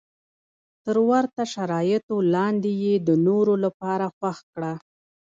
تر ورته شرایطو لاندې یې د نورو لپاره خوښ کړه.